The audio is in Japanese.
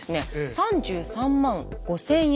３３万５，０００円。